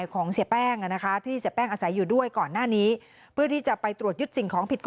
ของเสียแป้งที่เสียแป้งอาศัยอยู่ด้วยก่อนหน้านี้เพื่อที่จะไปตรวจยึดสิ่งของผิดต่อ